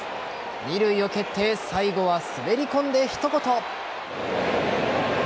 二塁を蹴って最後は滑り込んで一言。